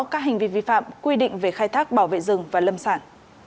các hành vi vi phạm quy định về khai thác bảo vệ rừng và lâm sản